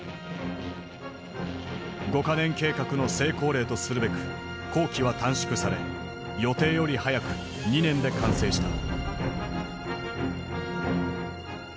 五か年計画の成功例とするべく工期は短縮され予定より早く２年で完成した。